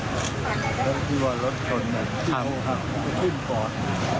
แล้วที่ว่ารถชนที่โทษก็ขึ้นก่อน